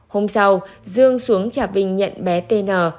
hôm sau dương xuống trà vinh nhận bé tn